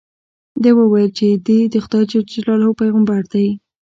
ده وویل چې دې د خدای جل جلاله پیغمبر دی.